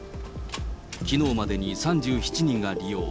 きのうまでに３７人が利用。